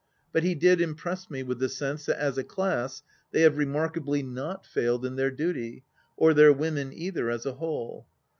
... But he did impress me with the sense that as a class they have remarkably not failed in their duty — or their women either as a whole.